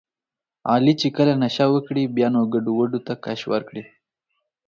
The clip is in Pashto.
علي چې کله نشه وکړي بیا نو ګډوډو ته کش ورکړي.